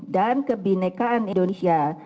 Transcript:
dan kebhinnekaan indonesia